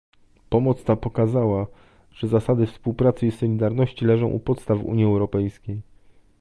Pomoc ta pokazała, że zasady współpracy i solidarności leżą u podstaw Unii Europejskiej